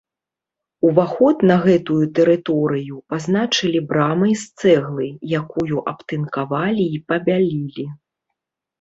Уваход на гэтую тэрыторыю пазначылі брамай з цэглы, якую абтынкавалі і пабялілі.